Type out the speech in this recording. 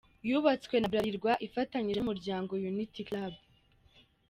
Yubatswe na Bralirwa ifatanyije n’Umuryango Unity Club.